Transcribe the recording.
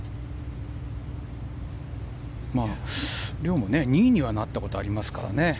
遼も２位にはなったことがありますからね。